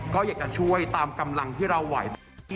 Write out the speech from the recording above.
ก็อยากจะช่วยตามกำลังที่เราไหว